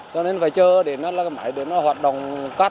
cho nên phải chờ để nó hoạt động cắt